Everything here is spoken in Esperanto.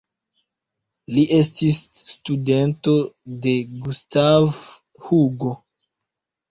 Li estis studento de Gustav Hugo.